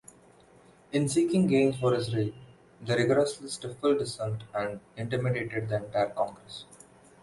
In seeking gains for Israel, they rigorously stifled dissent and intimidated the entire Congress.